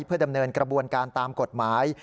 เพื่อดำเนินกระบวนการตามกฎหมาย